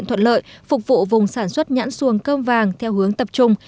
thuận lợi phục vụ vùng sản xuất nhãn xuồng cơm vàng theo hướng tập trung